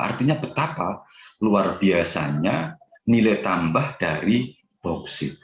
artinya betapa luar biasanya nilai tambah dari bauksit